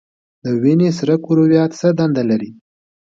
د وینې سره کرویات څه دنده لري؟